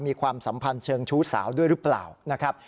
ความสัมพันธ์เชิงชู้สาวด้วยหรือเปล่านะครับ